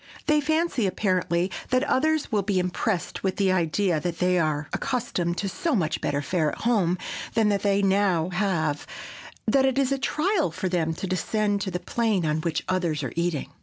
They fancy, apparently, that others will be impressed with the idea that they are accustomed to so much better fare at home than that they now have that it is a trial for them to descend to the plane on which others are eating.